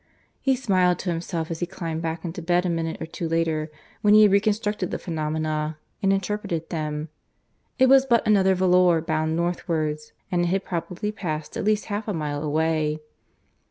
... He smiled to himself as he climbed back into bed a minute or two later, when he had reconstructed the phenomena and interpreted them. It was but another volor, bound northwards, and it had probably passed at least half a mile away.